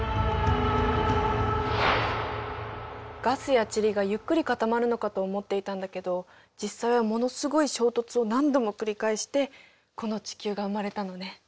ガスや塵がゆっくり固まるのかと思っていたんだけど実際はものすごい衝突を何度も繰り返してこの地球が生まれたのね。